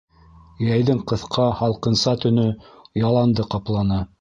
Йәйҙең ҡыҫҡа һалҡынса төнө яланды ҡапланы.